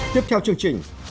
tiếp theo chương trình